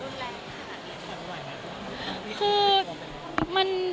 ก็มันเรื่องแรงขนาดนี้